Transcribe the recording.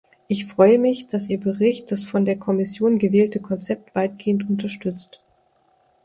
Ich freue mich, dass Ihr Bericht das von der Kommission gewählte Konzept weitgehend unterstützt.